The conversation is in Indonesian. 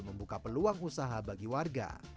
membuka peluang usaha bagi warga